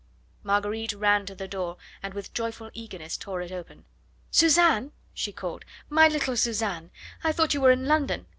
Marguerite ran to the door and with joyful eagerness tore it open. "Suzanne!" she called "my little Suzanne! I thought you were in London.